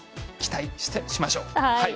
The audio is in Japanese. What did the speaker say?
期待しましょう。